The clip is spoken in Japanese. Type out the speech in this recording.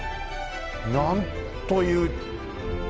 なんという！